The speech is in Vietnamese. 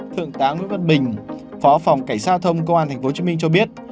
thượng tá nguyễn văn bình phó phòng cảnh sát giao thông công an tp hcm cho biết